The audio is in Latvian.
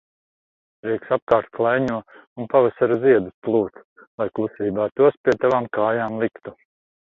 Prieks apkārt klaiņo un pavasara ziedus plūc, lai klusībā tos pie tavām kājām liktu.